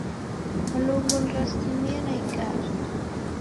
Mlungu nirasimie na igare.